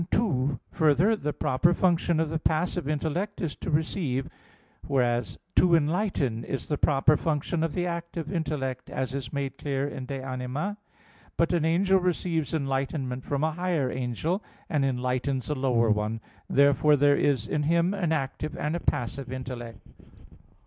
2: Further, the proper function of the passive intellect is to receive; whereas to enlighten is the proper function of the active intellect, as is made clear in De Anima iii, text. 2, 3, 18. But an angel receives enlightenment from a higher angel, and enlightens a lower one. Therefore there is in him an active and a passive intellect.